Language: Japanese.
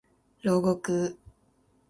牢獄